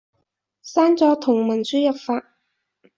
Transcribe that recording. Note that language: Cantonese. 刪咗同文輸入法